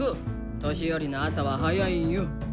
年寄りの朝は早いんよ！